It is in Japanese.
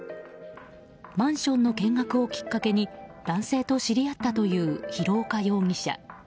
マンションの見学をきっかけ男性と知り合ったという廣岡容疑者。